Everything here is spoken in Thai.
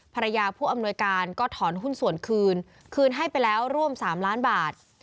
ผู้อำนวยการก็ถอนหุ้นส่วนคืนคืนให้ไปแล้วร่วม๓ล้านบาท